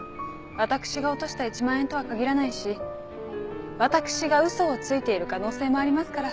私が落とした１万円とは限らないし私がウソをついている可能性もありますから。